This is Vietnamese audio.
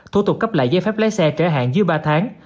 thủ tục cấp lại giấy phép lái xe trễ hạn dưới ba tháng